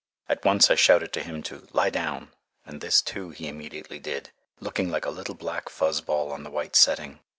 At once I shouted to him to "lie down," and this, too, he immediately did, looking like a little black fuzz ball on the white setting.